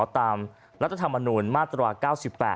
ตามรัฐธรรมนูญมาตรา๙๘